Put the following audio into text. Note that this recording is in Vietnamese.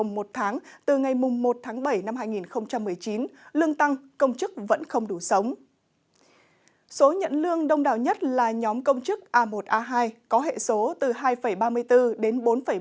số nhận lương đông đảo nhất là nhóm công chức a một a hai có hệ số từ hai ba mươi bốn đến bốn bốn